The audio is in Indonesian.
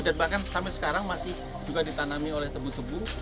dan bahkan sampai sekarang masih juga ditanami oleh tebu tebu